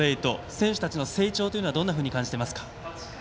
選手たちの成長はどんなふうに感じていますか？